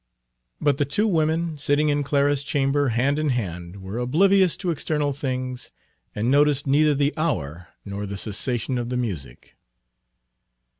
But the two women, sitting in Clara's chamber, hand in hand, were oblivious to external things and noticed neither the hour nor the cessation of the music.